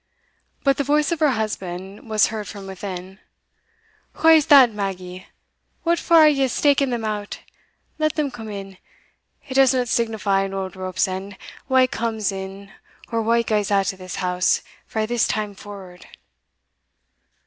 But the voice of her husband was heard from within "Wha's that, Maggie? what for are ye steaking them out? let them come in; it doesna signify an auld rope's end wha comes in or wha gaes out o' this house frae this time forward."